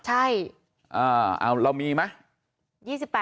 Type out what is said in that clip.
อ่าอ่าเรามีไหม